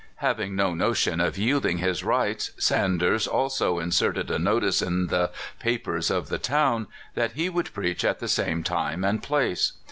Having no notion of yielding his rights, Sanders also in serted a notice in the papers of the town that he would preach at the same time and place.